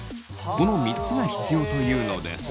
この３つが必要というのです。